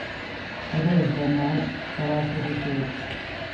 Carrers banyats, calaixos eixuts.